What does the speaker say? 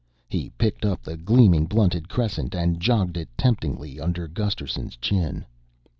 He picked up the gleaming blunted crescent and jogged it temptingly under Gusterson's chin.